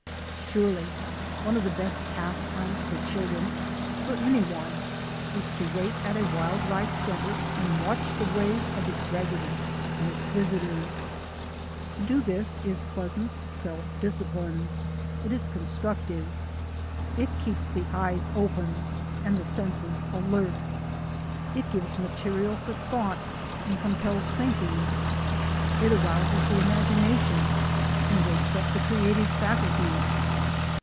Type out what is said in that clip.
Surely one of the best pastimes for children — for any one — is to wait at a wild life centre and watch the ways of its residents and its visitors. To do this is pleasant self discipline. It is constructive. It keeps the eyes open and the senses alert. It gives material for thought and compels thinking. It arouses the imagination and wakes up the crea tive faculties.